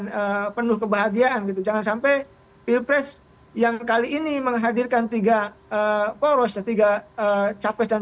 dan penuh kebahagiaan gitu jangan sampai fifres yang kali ini menghadirkan tiga estos ketiga capai dan brothers spy